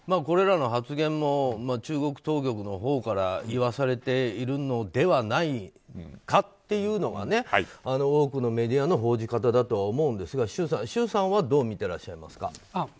これらの発言も中国当局のほうから言わされているのではないかというのが多くのメディアの報じ方だと思いますが周さんはどう見ていらっしゃいますか？